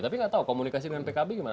tapi nggak tahu komunikasi dengan pkb gimana